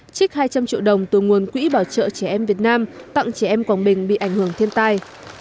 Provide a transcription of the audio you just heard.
trích hai trăm linh triệu đồng từ nguồn quỹ bảo trợ trẻ em việt nam tặng trẻ em quảng bình bị ảnh hưởng thiên tai